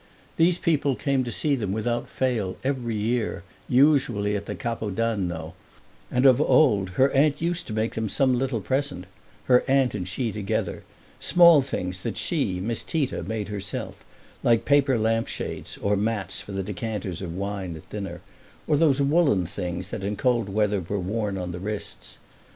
These people came to see them without fail every year, usually at the capo d'anno, and of old her aunt used to make them some little present her aunt and she together: small things that she, Miss Tita, made herself, like paper lampshades or mats for the decanters of wine at dinner or those woolen things that in cold weather were worn on the wrists.